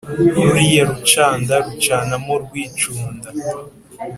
Ruriya rucanda Rucanamo rwicunda